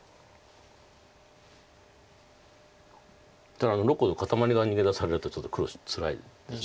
ただあの６個の固まりが逃げ出されるとちょっと黒つらいです。